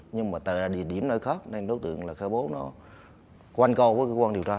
nhưng mà tại ra điểm nơi khác nên đối tượng là khai bố nó quanh cầu với cơ quan điều tra